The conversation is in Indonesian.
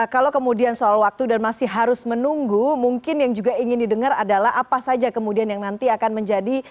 kalau kemudian soal waktu dan masih harus menunggu mungkin yang juga ingin didengar adalah apa saja kemudian yang nanti akan menjadi